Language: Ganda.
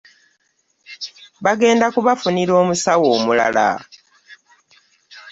Bagenda ku bafunira omusawo omulala.